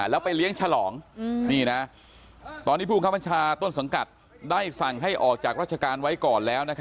แล้วไปเลี้ยงฉลองนี่นะตอนนี้ภูมิคับบัญชาต้นสังกัดได้สั่งให้ออกจากราชการไว้ก่อนแล้ว